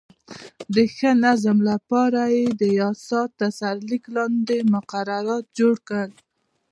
د ښه نظم لپاره یې د یاسا تر سرلیک لاندې مقررات جوړ کړل.